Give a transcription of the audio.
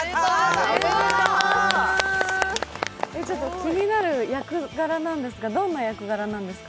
気になる役柄なんですがどんな役柄なんですか？